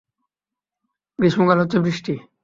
গ্রীষ্মকালে হচ্ছে বৃষ্টি!